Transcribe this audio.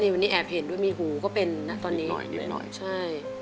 วันนี้แอบเห็นด้วยมีหูก็เป็นนะตอนนี้หน่อยนิดหน่อยใช่